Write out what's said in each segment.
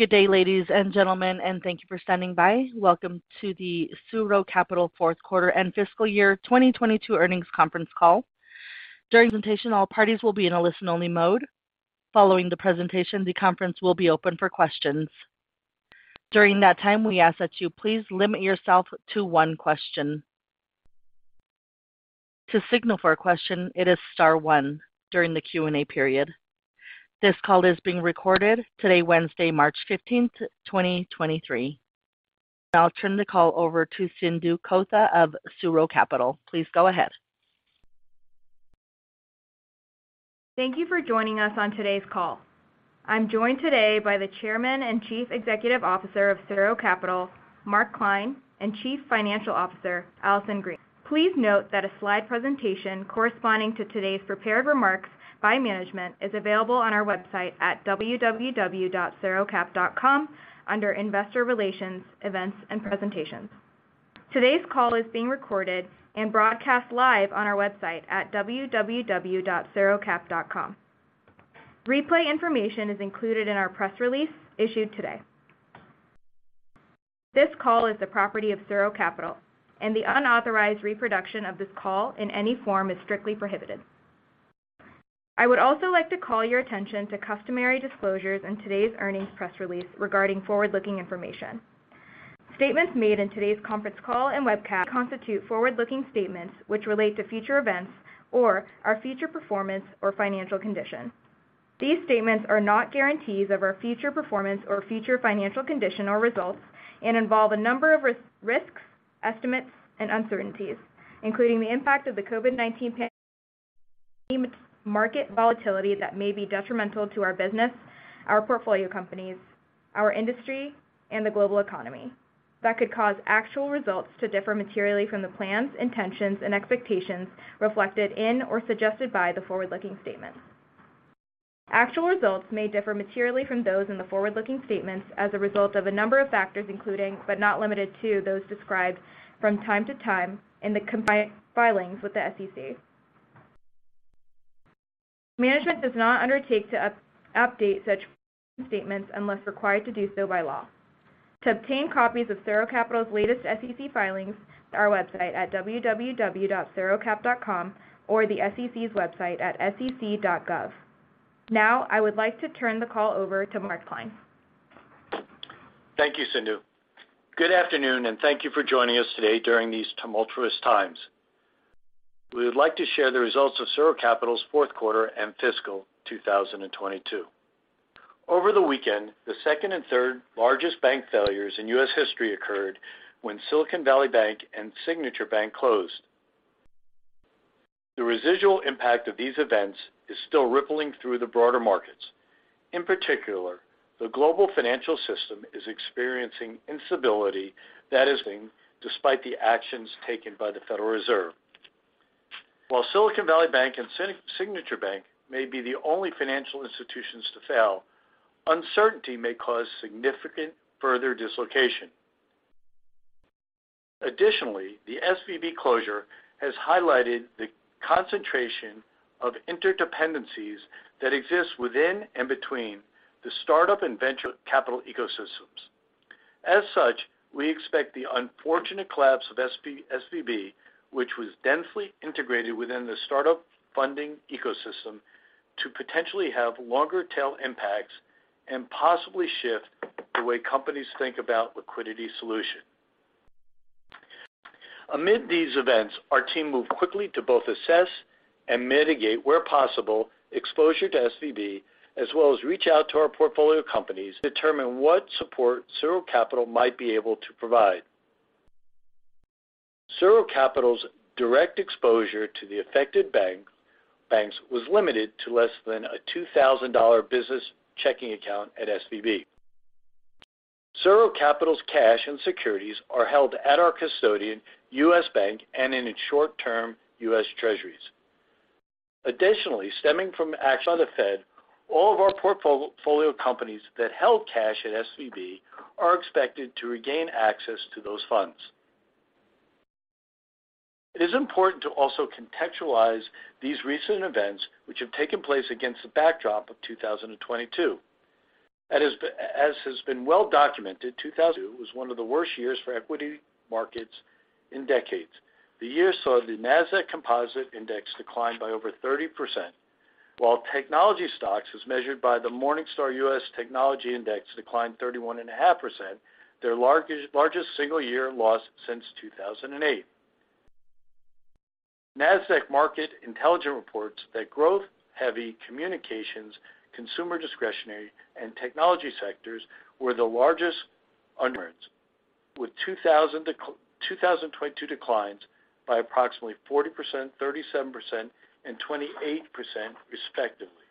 Good day, ladies and gentlemen, and thank you for standing by. Welcome to the SuRo Capital Fourth Quarter and Fiscal Year 2022 Earnings Conference Call. During presentation, all parties will be in a listen-only mode. Following the presentation, the conference will be open for questions. During that time, we ask that you please limit yourself to one question. To signal for a question, it is star one during the Q&A period. This call is being recorded today, Wednesday, March 15th, 2023. I'll turn the call over to Sindhu Kotha of SuRo Capital. Please go ahead. Thank you for joining us on today's call. I'm joined today by the Chairman and Chief Executive Officer of SuRo Capital, Mark Klein, and Chief Financial Officer, Allison Green. Please note that a slide presentation corresponding to today's prepared remarks by management is available on our website at www.surocap.com under Investor Relations, Events, and Presentations. Today's call is being recorded and broadcast live on our website at www.surocap.com. Replay information is included in our press release issued today. This call is the property of SuRo Capital, and the unauthorized reproduction of this call in any form is strictly prohibited. I would also like to call your attention to customary disclosures in today's earnings press release regarding forward-looking information. Statements made in today's conference call and webcast constitute forward-looking statements which relate to future events or our future performance or financial condition. These statements are not guarantees of our future performance or future financial condition or results and involve a number of risks, estimates, and uncertainties, including the impact of the COVID-19 pandemic, market volatility that may be detrimental to our business, our portfolio companies, our industry, and the global economy that could cause actual results to differ materially from the plans, intentions, and expectations reflected in or suggested by the forward-looking statements. Actual results may differ materially from those in the forward-looking statements as a result of a number of factors, including, but not limited to, those described from time to time in the filings with the SEC. Management does not undertake to update such statements unless required to do so by law. To obtain copies of SuRo Capital's latest SEC filings at our website at www.surocap.com or the SEC's website at sec.gov. Now, I would like to turn the call over to Mark Klein. Thank you, Sindhu. Good afternoon, thank you for joining us today during these tumultuous times. We would like to share the results of SuRo Capital's fourth quarter and fiscal 2022. Over the weekend, the second and third largest bank failures in U.S. history occurred when Silicon Valley Bank and Signature Bank closed. The residual impact of these events is still rippling through the broader markets. In particular, the global financial system is experiencing instability despite the actions taken by the Federal Reserve. While Silicon Valley Bank and Signature Bank may be the only financial institutions to fail, uncertainty may cause significant further dislocation. Additionally, the SVB closure has highlighted the concentration of interdependencies that exist within and between the start-up and venture capital ecosystems. As such, we expect the unfortunate collapse of SVB, which was densely integrated within the start-up funding ecosystem, to potentially have longer-tail impacts and possibly shift the way companies think about liquidity solution. Amid these events, our team moved quickly to both assess and mitigate, where possible, exposure to SVB, as well as reach out to our portfolio companies to determine what support SuRo Capital might be able to provide. SuRo Capital's direct exposure to the affected banks was limited to less than a $2,000 business checking account at SVB. SuRo Capital's cash and securities are held at our custodian, U.S. Bank, and in its short term, U.S. Treasuries. Additionally, stemming from action of the Fed, all of our portfolio companies that held cash at SVB are expected to regain access to those funds. It is important to also contextualize these recent events which have taken place against the backdrop of 2022. As has been well documented, 2022 was one of the worst years for equity markets in decades. The year saw the Nasdaq Composite Index decline by over 30%, while technology stocks, as measured by the Morningstar US Technology Index, declined 31.5%, their largest single-year loss since 2008. Nasdaq Market Intelligence reports that growth-heavy communications, consumer discretionary, and technology sectors were the largest under with 2022 declines by approximately 40%, 37%, and 28% respectively.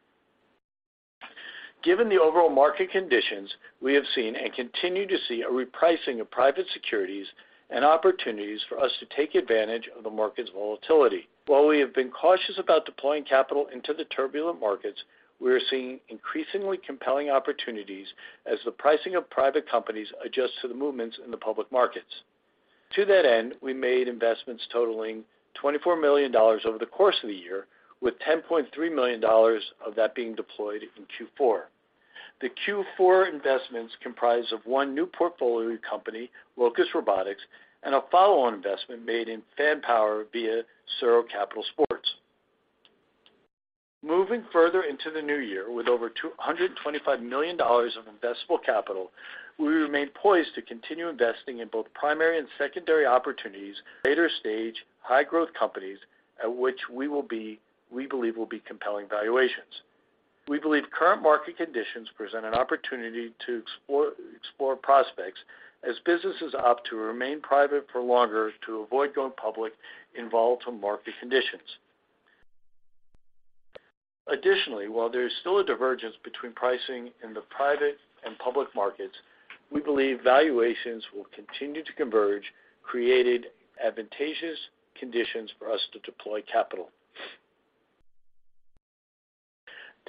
Given the overall market conditions, we have seen and continue to see a repricing of private securities and opportunities for us to take advantage of the market's volatility. While we have been cautious about deploying capital into the turbulent markets, we are seeing increasingly compelling opportunities as the pricing of private companies adjusts to the movements in the public markets. To that end, we made investments totaling $24 million over the course of the year, with $10.3 million of that being deployed in Q4. The Q4 investments comprised of one new portfolio company, Locus Robotics, and a follow-on investment made in Fanpower via SuRo Capital Sports. Moving further into the new year with over $225 million of investable capital, we remain poised to continue investing in both primary and secondary opportunities, later-stage high-growth companies at which we believe will be compelling valuations. We believe current market conditions present an opportunity to explore prospects as businesses opt to remain private for longer to avoid going public in volatile market conditions. Additionally, while there is still a divergence between pricing in the private and public markets, we believe valuations will continue to converge, created advantageous conditions for us to deploy capital.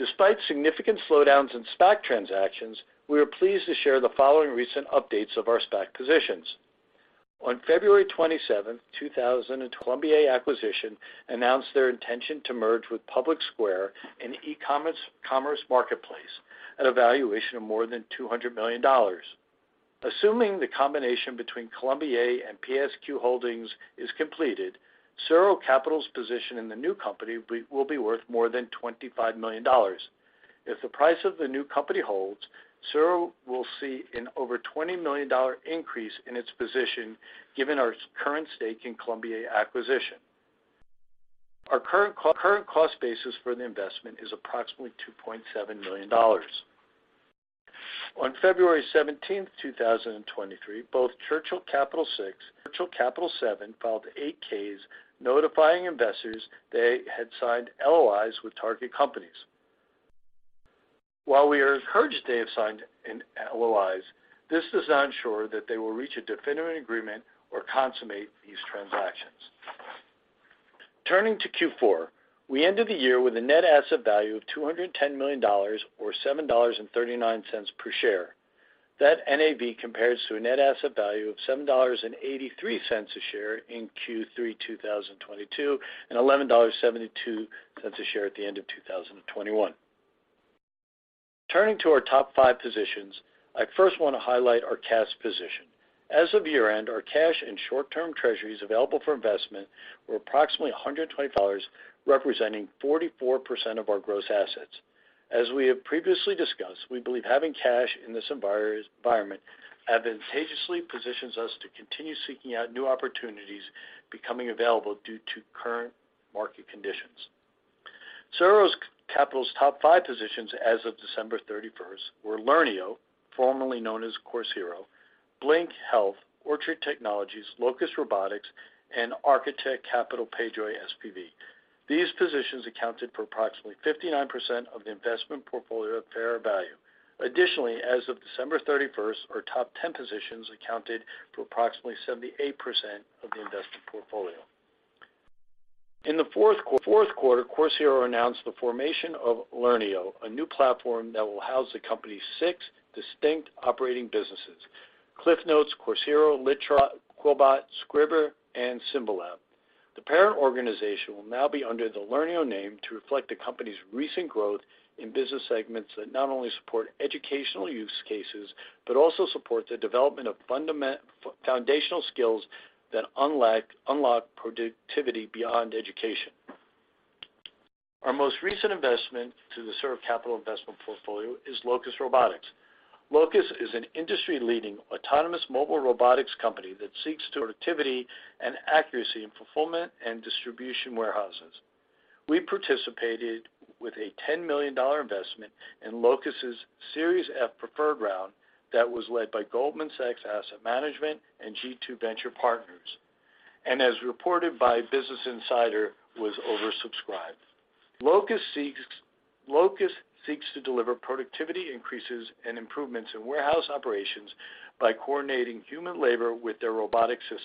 Despite significant slowdowns in SPAC transactions, we are pleased to share the following recent updates of our SPAC positions. On February 27, 2000, Colombier Acquisition announced their intention to merge with PublicSq., an eCommerce commerce marketplace, at a valuation of more than $200 million. Assuming the combination between Colombier and PSQ Holdings is completed, SuRo Capital's position in the new company will be worth more than $25 million. If the price of the new company holds, SuRo will see an over $20 million increase in its position, given our current stake in Colombier Acquisition. Our current cost basis for the investment is approximately $2.7 million. On February 17, 2023, both Churchill Capital Six, Churchill Capital Seven filed 8-Ks notifying investors they had signed an LOIs with target companies. While we are encouraged they have signed an LOIs, this does not ensure that they will reach a definitive agreement or consummate these transactions. Turning to Q4, we ended the year with a net asset value of $210 million or $7.39 per share. That NAV compares to a net asset value of $7.83 a share in Q3 2022, and $11.72 a share at the end of 2021. Turning to our top five positions, I first want to highlight our cash position. As of year-end, our cash and short-term treasuries available for investment were approximately $120, representing 44% of our gross assets. As we have previously discussed, we believe having cash in this environment advantageously positions us to continue seeking out new opportunities becoming available due to current market conditions. SuRo Capital's top five positions as of December 31st were Learneo, formerly known as Course Hero, Blink Health, Orchard Technologies, Locus Robotics, and Architect Capital Payjoy SPV. These positions accounted for approximately 59% of the investment portfolio at fair value. Additionally, as of December 31st, our top 10 positions accounted for approximately 78% of the investment portfolio. In the fourth quarter, Course Hero announced the formation of Learneo, a new platform that will house the company's six distinct operating businesses. CliffsNotes, Course Hero, Litera, QuillBot, Scribbr, and Symbolab. The parent organization will now be under the Learneo name to reflect the company's recent growth in business segments that not only support educational use cases, but also support the development of foundational skills that unlock productivity beyond education. Our most recent investment to the SuRo Capital investment portfolio is Locus Robotics. Locus is an industry-leading autonomous mobile robotics company that seeks to productivity and accuracy in fulfillment and distribution warehouses. We participated with a $10 million investment in Locus' Series F preferred round that was led by Goldman Sachs Asset Management and G2 Venture Partners, and as reported by Business Insider, was oversubscribed. Locus seeks to deliver productivity increases and improvements in warehouse operations by coordinating human labor with their robotic systems.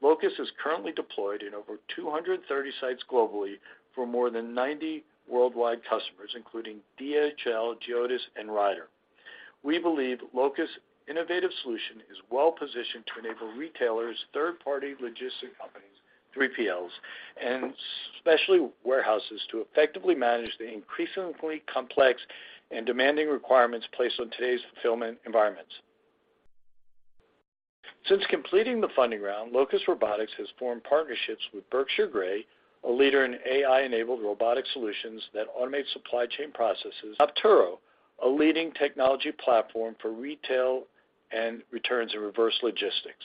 Locus is currently deployed in over 230 sites globally for more than 90 worldwide customers, including DHL, Geodis, and Ryder. We believe Locus' innovative solution is well-positioned to enable retailers, third-party logistics companies, 3PLs, and especially warehouses to effectively manage the increasingly complex and demanding requirements placed on today's fulfillment environments. Since completing the funding round, Locus Robotics has formed partnerships with Berkshire Grey, a leader in AI-enabled robotic solutions that automate supply chain processes, Optoro, a leading technology platform for retail and returns and reverse logistics.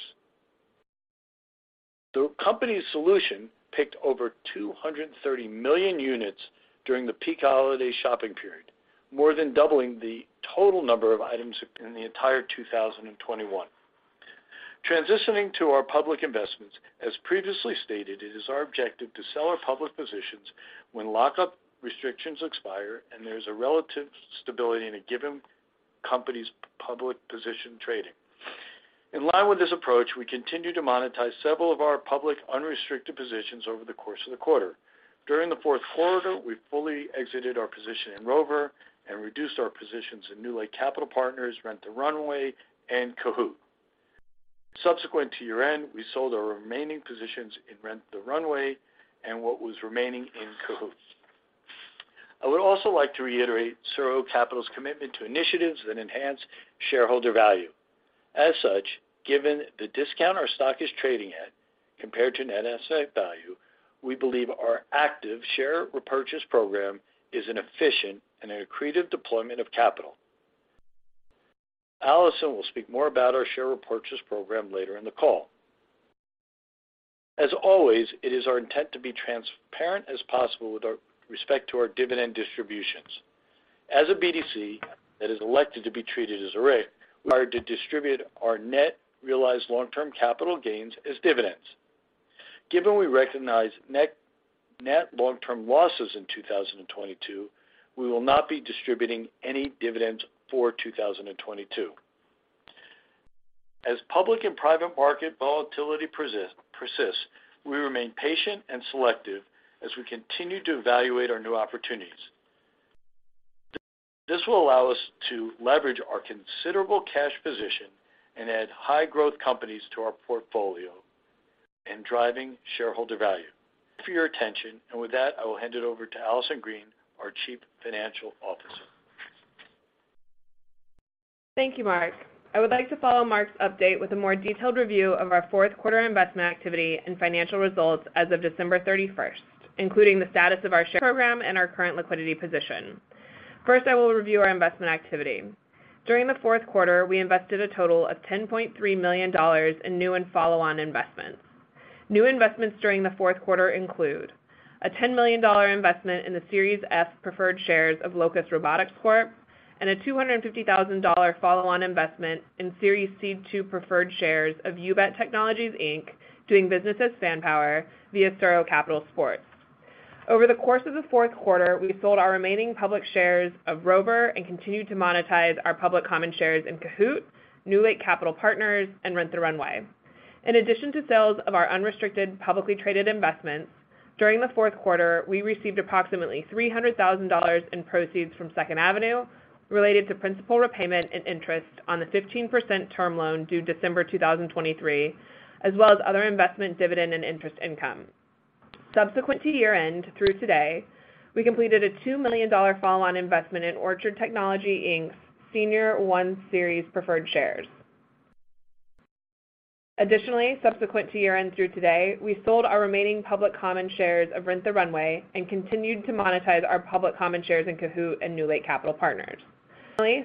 The company's solution picked over 230 million units during the peak holiday shopping period, more than doubling the total number of items in the entire 2021. Transitioning to our public investments, as previously stated, it is our objective to sell our public positions when lockup restrictions expire and there's a relative stability in a given company's public position trading. In line with this approach, we continue to monetize several of our public unrestricted positions over the course of the quarter. During the fourth quarter, we fully exited our position in Rover and reduced our positions in NewLake Capital Partners, Rent the Runway, and Kahoot!. Subsequent to year-end, we sold our remaining positions in Rent the Runway and what was remaining in Kahoot!. I would also like to reiterate SuRo Capital's commitment to initiatives that enhance shareholder value. Given the discount our stock is trading at compared to net asset value, we believe our active share repurchase program is an efficient and an accretive deployment of capital. Allison will speak more about our share repurchase program later in the call. It is our intent to be transparent as possible with our respect to our dividend distributions. A BDC that is elected to be treated as a RIC, we are to distribute our net realized long-term capital gains as dividends. Given we recognize net long-term losses in 2022, we will not be distributing any dividends for 2022. Public and private market volatility persists, we remain patient and selective as we continue to evaluate our new opportunities. This will allow us to leverage our considerable cash position and add high growth companies to our portfolio and driving shareholder value. Thank you for your attention, and with that, I will hand it over to Allison Green, our Chief Financial Officer. Thank you, Mark. I would like to follow Mark's update with a more detailed review of our fourth quarter investment activity and financial results as of December 31st, including the status of our share program and our current liquidity position. I will review our investment activity. During the fourth quarter, we invested a total of $10.3 million in new and follow-on investments. New investments during the fourth quarter include a $10 million investment in the Series F preferred shares of Locus Robotics Corp., and a $250,000 follow-on investment in Series C-2 preferred shares of Youbet Technology, Inc., doing business as Fanpower via SuRo Capital Sports. Over the course of the fourth quarter, we sold our remaining public shares of Rover and continued to monetize our public common shares in Kahoot!, NewLake Capital Partners, and Rent the Runway. In addition to sales of our unrestricted publicly traded investments, during the fourth quarter, we received approximately $300,000 in proceeds from Second Avenue related to principal repayment and interest on the 15% term loan due December 2023, as well as other investment dividend and interest income. Subsequent to year-end through today, we completed a $2 million follow-on investment in Orchard Technology, Inc. Senior One Series preferred shares. Additionally, subsequent to year-end through today, we sold our remaining public common shares of Rent the Runway and continued to monetize our public common shares in Kahoot and NewLake Capital Partners.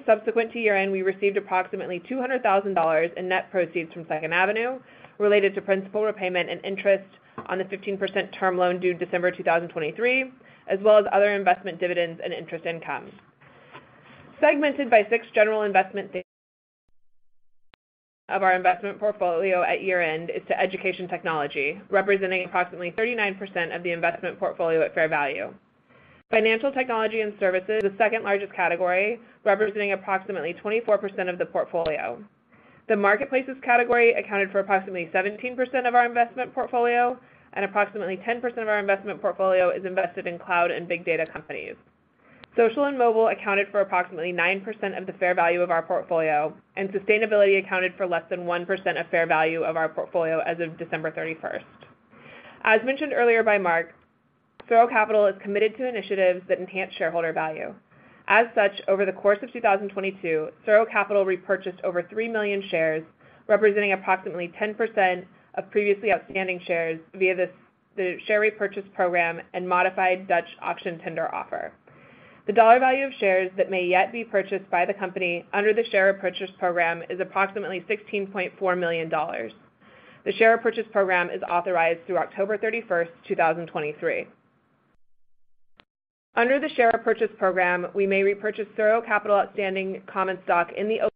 Subsequent to year-end, we received approximately $200,000 in net proceeds from Second Avenue related to principal repayment and interest on the 15% term loan due December 2023, as well as other investment dividends and interest income. Segmented by 6 general investment of our investment portfolio at year-end is to education technology, representing approximately 39% of the investment portfolio at fair value. Financial technology and services, the second-largest category, representing approximately 24% of the portfolio. The marketplaces category accounted for approximately 17% of our investment portfolio, and approximately 10% of our investment portfolio is invested in cloud and big data companies. Social and mobile accounted for approximately 9% of the fair value of our portfolio, and sustainability accounted for less than 1% of fair value of our portfolio as of December 31st. As mentioned earlier by Mark Klein, SuRo Capital is committed to initiatives that enhance shareholder value. As such, over the course of 2022, SuRo Capital repurchased over 3 million shares, representing approximately 10% of previously outstanding shares via the share repurchase program and Modified Dutch Auction Tender Offer. The dollar value of shares that may yet be purchased by the company under the share repurchase program is approximately $16.4 million. The share repurchase program is authorized through October 31, 2023. Under the share repurchase program, we may repurchase SuRo Capital outstanding common stock in the open-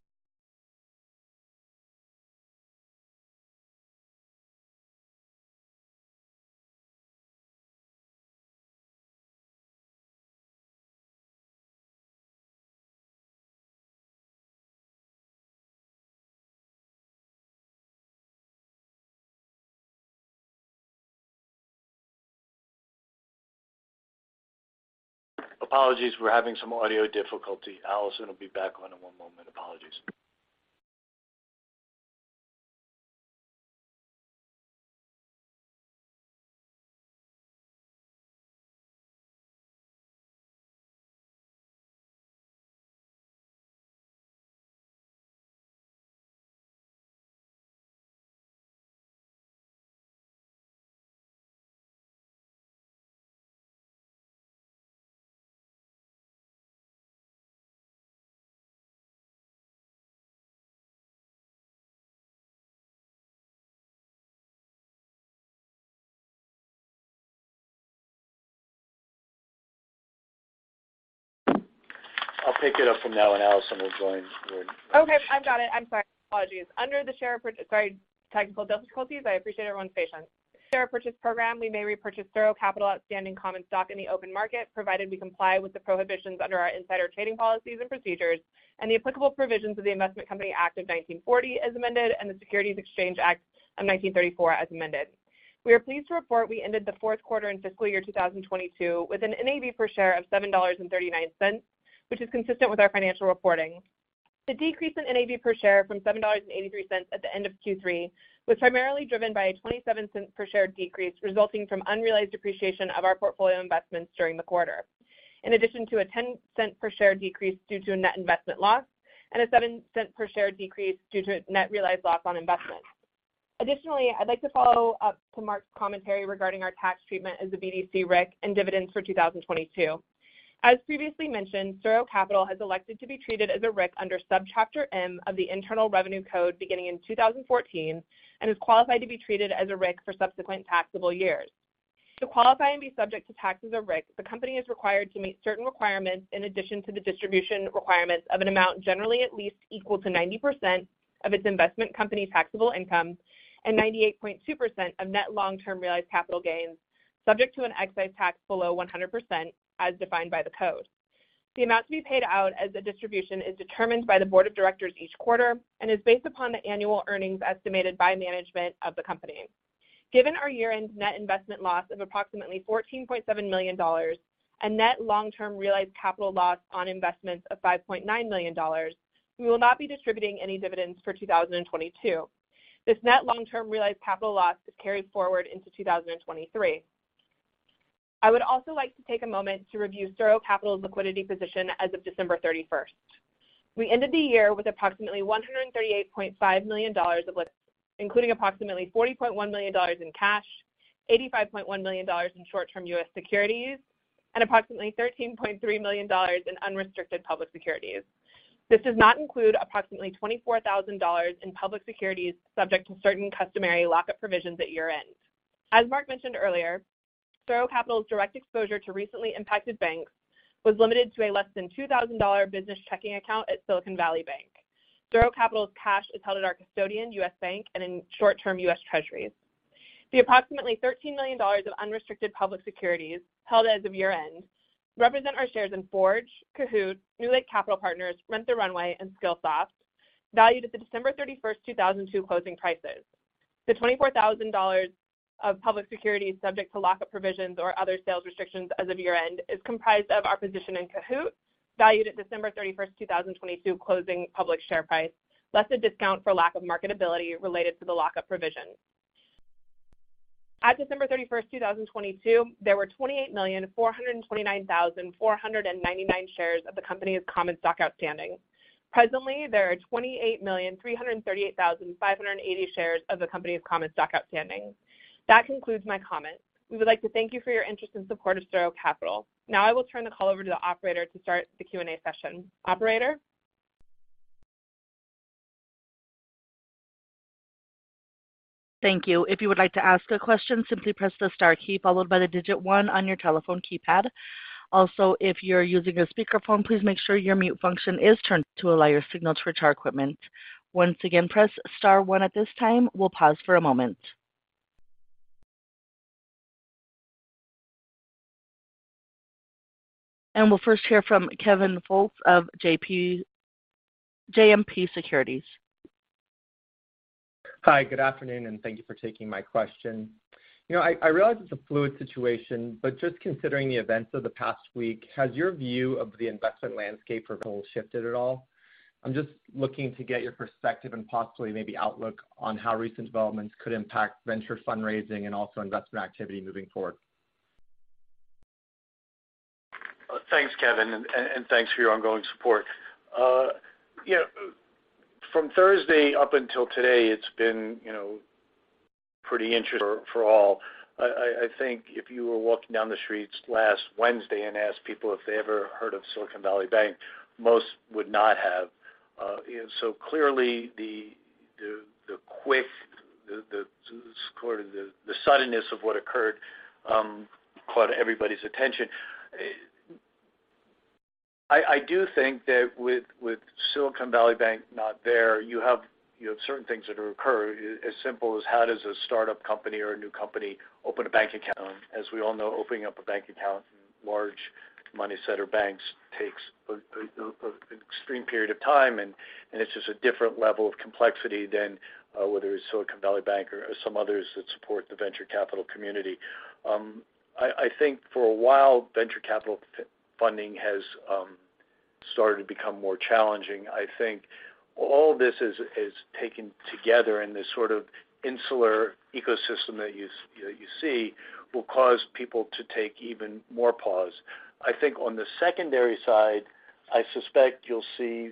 Apologies, we're having some audio difficulty. Allison will be back on in one moment. Apologies. I'll pick it up from now, and Allison will join when she. I've got it. I'm sorry. Apologies. Sorry, technical difficulties. I appreciate everyone's patience. Under the share purchase program, we may repurchase SuRo Capital outstanding common stock in the open market, provided we comply with the prohibitions under our insider trading policies and procedures and the applicable provisions of the Investment Company Act of 1940 as amended, and the Securities Exchange Act of 1934 as amended. We are pleased to report we ended the fourth quarter in fiscal year 2022 with an NAV per share of $7.39, which is consistent with our financial reporting. The decrease in NAV per share from $7.83 at the end of Q3 was primarily driven by a $0.27 per share decrease resulting from unrealized appreciation of our portfolio investments during the quarter. In addition to a $0.10 per share decrease due to a net investment loss and a $0.07 per share decrease due to a net realized loss on investment. Additionally, I'd like to follow up to Mark's commentary regarding our tax treatment as a BDC RIC and dividends for 2022. As previously mentioned, SuRo Capital has elected to be treated as a RIC under Subchapter M of the Internal Revenue Code beginning in 2014, and is qualified to be treated as a RIC for subsequent taxable years. To qualify and be subject to tax as a RIC, the company is required to meet certain requirements in addition to the distribution requirements of an amount generally at least equal to 90% of its investment company taxable income and 98.2% of net long-term realized capital gains, subject to an excise tax below 100% as defined by the code. The amount to be paid out as a distribution is determined by the board of directors each quarter and is based upon the annual earnings estimated by management of the company. Given our year-end net investment loss of approximately $14.7 million and net long-term realized capital loss on investments of $5.9 million, we will not be distributing any dividends for 2022. This net long-term realized capital loss is carried forward into 2023. I would also like to take a moment to review SuRo Capital's liquidity position as of December 31st. We ended the year with approximately $138.5 million of liquidity, including approximately $40.1 million in cash, $85.1 million in short-term U.S. securities, and approximately $13.3 million in unrestricted public securities. This does not include approximately $24,000 in public securities subject to certain customary lock-up provisions at year-end. As Mark mentioned earlier, SuRo Capital's direct exposure to recently impacted banks was limited to a less than $2,000 business checking account at Silicon Valley Bank. SuRo Capital's cash is held at our custodian U.S. Bank and in short-term U.S. Treasuries. The approximately $13 million of unrestricted public securities held as of year-end represent our shares in Forge, Kahoot!, NewLake Capital Partners, Rent the Runway, and Skillsoft, valued at the December 31, 2002 closing prices. The $24,000 of public securities subject to lock-up provisions or other sales restrictions as of year-end is comprised of our position in Kahoot!, valued at December 31, 2022 closing public share price, less the discount for lack of marketability related to the lock-up provision. At December 31, 2022, there were 28,429,499 shares of the company's common stock outstanding. Presently, there are 28,338,580 shares of the company's common stock outstanding. That concludes my comments. We would like to thank you for your interest and support of SuRo Capital. I will turn the call over to the operator to start the Q&A session. Operator? Thank you. If you would like to ask a question, simply press the star key followed by the digit one on your telephone keypad. Also, if you're using a speakerphone, please make sure your mute function is turned to allow your signal to reach our equipment. Once again, press star one at this time. We'll pause for a moment. We'll first hear from Kevin Fultz of JMP Securities. Hi, good afternoon. Thank you for taking my question. You know, I realize it's a fluid situation. Just considering the events of the past week, has your view of the investment landscape for SuRo shifted at all? I'm just looking to get your perspective and possibly maybe outlook on how recent developments could impact venture fundraising and also investment activity moving forward. Thanks, Kevin, and thanks for your ongoing support. You know, from Thursday up until today, it's been, you know, pretty interesting for all. I think if you were walking down the streets last Wednesday and asked people if they ever heard of Silicon Valley Bank, most would not have. You know, clearly the quick, the sort of the suddenness of what occurred, caught everybody's attention. I do think that with Silicon Valley Bank not there, you have certain things that occur as simple as how does a startup company or a new company open a bank account? As we all know, opening up a bank account in large money-center banks takes an extreme period of time, and it's just a different level of complexity than whether it's Silicon Valley Bank or some others that support the venture capital community. I think for a while, venture capital funding has started to become more challenging. I think all this is taken together in this sort of insular ecosystem that you know, you see will cause people to take even more pause. I think on the secondary side, I suspect you'll see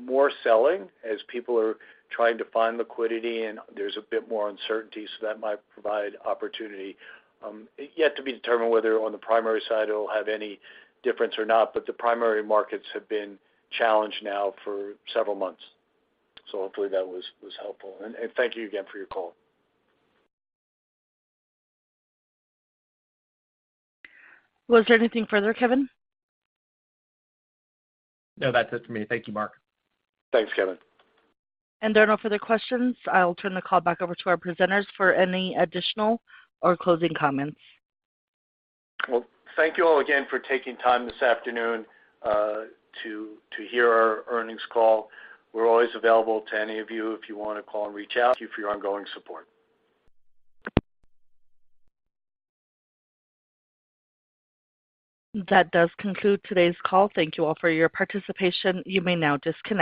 more selling as people are trying to find liquidity and there's a bit more uncertainty. That might provide opportunity. Yet to be determined whether on the primary side it'll have any difference or not. The primary markets have been challenged now for several months. Hopefully that was helpful. Thank you again for your call. Was there anything further, Kevin? No, that's it for me. Thank you, Mark. Thanks, Kevin. There are no further questions. I'll turn the call back over to our presenters for any additional or closing comments. Well, thank you all again for taking time this afternoon to hear our earnings call. We're always available to any of you if you wanna call and reach out. Thank you for your ongoing support. That does conclude today's call. Thank you all for your participation. You may now disconnect.